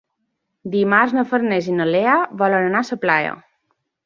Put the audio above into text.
Dimarts na Farners i na Lea volen anar a la platja.